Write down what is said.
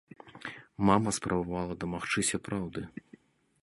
Мама спрабавала дамагчыся праўды.